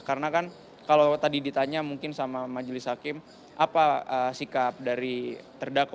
karena kan kalau tadi ditanya mungkin sama majelis hakim apa sikap dari terdakwa